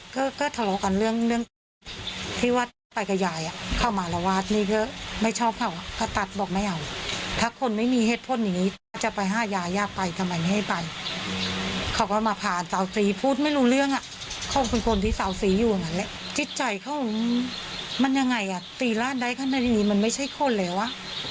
ก็ก็ทะเลาะกันเรื่องเรื่องที่ว่าตัดไปกับยายอ่ะเข้ามาระวาสนี่ก็ไม่ชอบเขาพระตัดบอกไม่เอาถ้าคนไม่มีเหตุผลอย่างนี้จะไปห้ายาย่าไปทำไมไม่ให้ไปเขาก็มาผ่านเสาสีพูดไม่รู้เรื่องอ่ะเขาเป็นคนที่เสาสีอยู่อย่างนั้นแหละจิตใจเขามันยังไงอ่ะตีร่านได้ขนาดนี้มันไม่ใช่คนเลยวะ